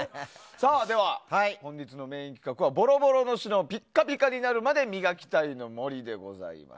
では本日のメイン企画はボロボロの品をピッカピカになるまで磨きたいの森でございます。